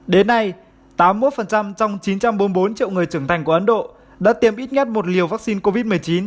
đến nay tám mươi một trong chín trăm bốn mươi bốn triệu người trưởng thành của ấn độ đã tiêm ít nhất một liều vaccine covid một mươi chín